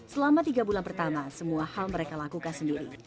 selama tiga bulan pertama semua hal mereka lakukan sendiri